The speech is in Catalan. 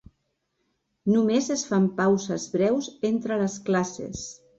Només es fan pauses breus entre les classes.